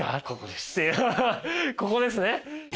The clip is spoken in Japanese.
ここですね？